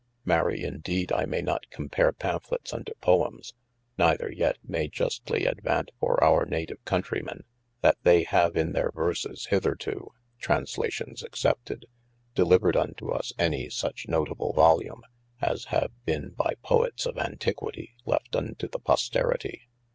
Marie in deede I may not compare Pamphlets unto Poems, neither yet may justly advant for our native countrimen, that they have in their verses hitherto (translations excepted) delivered unto us any such notable volume, as have bene by Poets of antiquitie, left unto the posteritie.